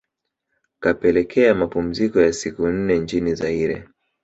kapelekea mapumziko ya siku nne nchini Zaire